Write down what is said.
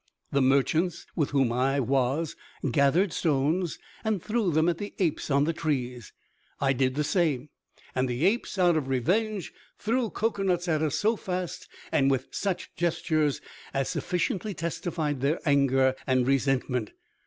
The merchants with whom I was gathered stones, and threw them at the apes on the trees. I did the same; and the apes, out of revenge, threw coconuts at us so fast, and with such gestures, as sufficiently testified their anger and resentment.